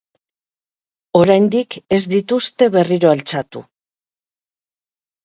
Oraindik ez dituzte berriro altxatu.